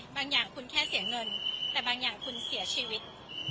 อย่างคุณแค่เสียเงินแต่บางอย่างคุณเสียชีวิต